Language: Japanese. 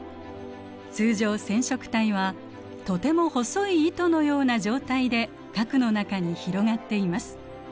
通常染色体はとても細い糸のような状態で核の中に広がっています。